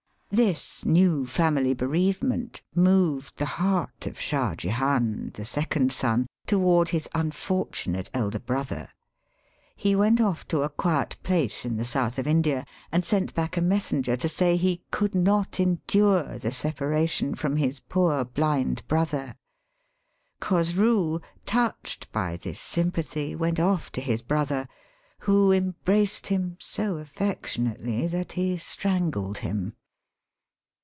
This new family bereavement moved the heart of Shah Jehan, the second son, toward his unfortunate elder brother. He went off to a quiet place in the south of India, and sent back a messenger to say he '* could not endure the separation from his poor bUnd brother." Khosroo, touched by this sym pathy, went off to his brother, who embraced him so affectionately that he strangled him.